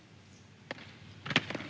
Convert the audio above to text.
dan juga yang memoda